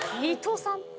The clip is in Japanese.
伊藤さん。